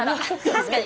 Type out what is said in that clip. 確かに。